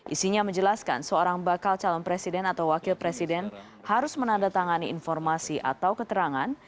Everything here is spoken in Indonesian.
isinya menjelaskan seorang bakal calon presiden atau wakil presiden harus menandatangani informasi atau keterangan